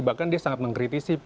bahkan dia sangat mengkritisi